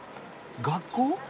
学校？